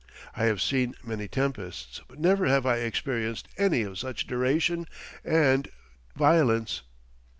I have seen many tempests, but never have I experienced any of such duration and violence.